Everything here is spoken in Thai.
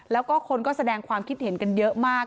แล้วก็คนก็แสดงความคิดเห็นกันเยอะมาก